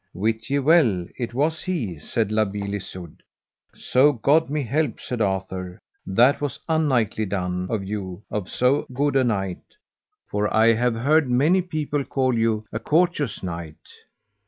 Wit ye well it was he, said La Beale Isoud. So God me help, said Arthur, that was unknightly done of you of so good a knight, for I have heard many people call you a courteous knight.